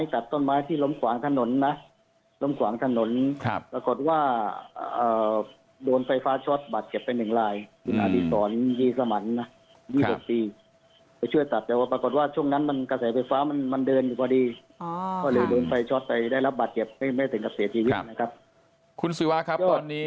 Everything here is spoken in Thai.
ก็ให้ตัดต้นไม้ที่ล้มขวางถนนนะล้มขวางถนนนะครับ